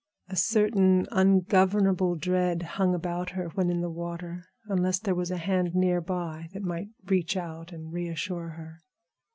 A certain ungovernable dread hung about her when in the water, unless there was a hand near by that might reach out and reassure her.